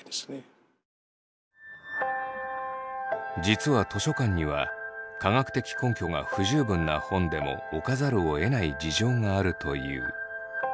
実は図書館には科学的根拠が不十分な本でも置かざるをえない事情があるという。